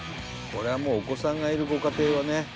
「これはもうお子さんがいるご家庭はね」